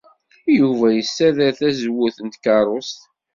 Yuba yessader tazewwut n tkeṛṛust.